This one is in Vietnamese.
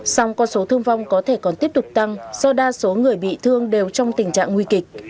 song con số thương vong có thể còn tiếp tục tăng do đa số người bị thương đều trong tình trạng nguy kịch